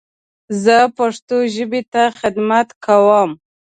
زه پښتو ژبې ته خدمت کوم.